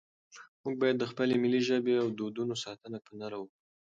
موږ باید د خپلې ملي ژبې او دودونو ساتنه په نره وکړو.